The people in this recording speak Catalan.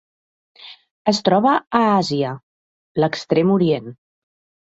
Es troba a Àsia: l'Extrem Orient.